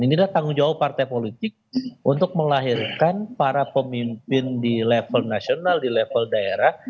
inilah tanggung jawab partai politik untuk melahirkan para pemimpin di level nasional di level daerah